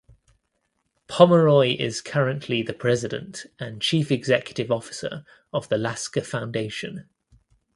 Pomeroy is currently the president and chief executive officer of the Lasker Foundation.